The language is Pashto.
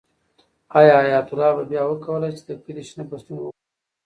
آیا حیات الله به بیا وکولی شي چې د کلي شنه فصلونه وګوري؟